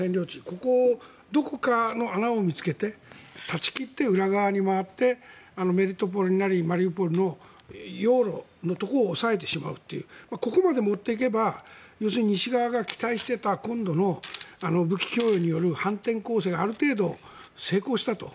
ここを、どこかに穴を見つけて断ち切って裏側に回ってメリトポリなりマリウポリの要路のところを押さえてしまうというここまで持っていけば要するに西側が期待していた今度の武器供与による反転攻勢がある程度成功したと。